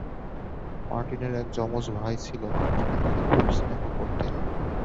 মার্টিনের এক যমজ ভই ছিলো আর তিনি তাকে খুব স্নেহ করতেন।